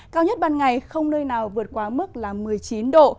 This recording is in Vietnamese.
cao nhất ban ngày không nơi nào vượt qua mức một mươi chín độ